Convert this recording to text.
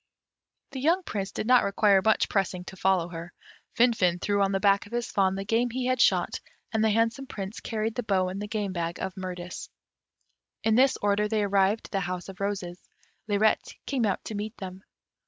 The young Prince did not require much pressing to follow her. Finfin threw on the back of his fawn the game he had shot, and the handsome Prince carried the bow and the game bag of Mirtis. In this order they arrived at the House of Roses. Lirette came out to meet them.